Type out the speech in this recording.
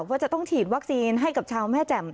ว่าจะต้องฉีดวัคซีนให้กับชาวแม่แจ่ม